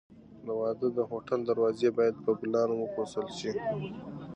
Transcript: د واده د هوټل دروازې باید په ګلانو وپسولل شي.